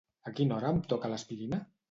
A quina hora em toca l'aspirina?